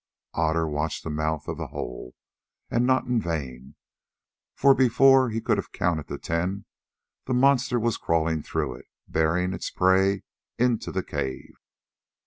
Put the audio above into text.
Otter watched the mouth of the hole, and not in vain; for before he could have counted ten the monster was crawling through it, bearing its prey into the cave.